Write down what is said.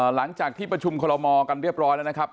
หลังจากที่ประชุมคอลโมกันเรียบร้อยแล้วนะครับ